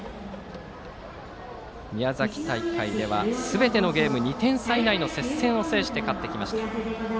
宮崎大会ではすべてのゲーム２点差以内の接戦を制して勝ってきました。